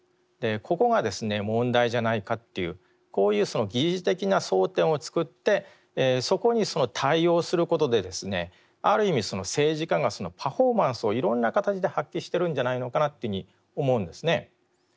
ここがですね問題じゃないかっていうこういう疑似的な争点を作ってそこに対応することでですねある意味政治家がパフォーマンスをいろんな形で発揮してるんじゃないのかなというふうに思うんですね。